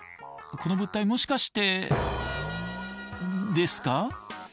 この物体もしかしてですか？